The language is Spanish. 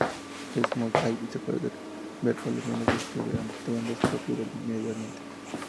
En Maicao se pueden ver colombianos vistiendo los atuendos propios del Medio Oriente.